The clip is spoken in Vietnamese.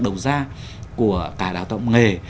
đầu ra của cả đào tạo nghề